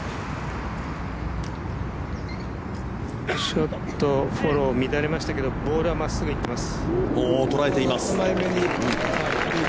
ちょっとフォロー、乱れましたけどボールはまっすぐ行っています。